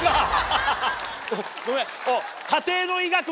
ごめん。